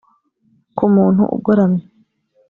ku muntu ugoramye